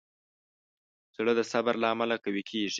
زړه د صبر له امله قوي کېږي.